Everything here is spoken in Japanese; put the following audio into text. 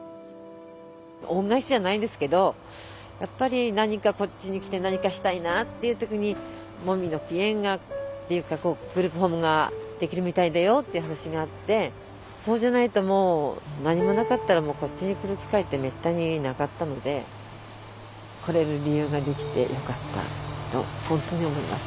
恩返しじゃないんですけどやっぱり何かこっちに来て何かしたいなっていう時にもみの木苑がっていうかグループホームができるみたいだよっていう話があってそうじゃないともう何もなかったらもうこっちに来る機会ってめったになかったので来れる理由ができてよかったと本当に思います。